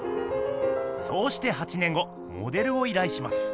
そうして８年後モデルをいらいします。